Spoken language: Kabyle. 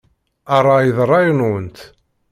Ṛṛay d ṛṛay-nwent.